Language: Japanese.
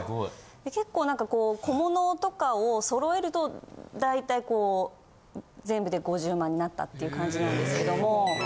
結構何かこう小物とかを揃えると大体こう全部で５０万円になったっていう感じなんですけども。